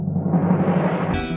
terima kasih om